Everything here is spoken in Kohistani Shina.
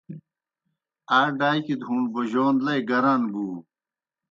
آ ڈاکیْ دہ ہُوݨ بوجون لئی گران بُو۔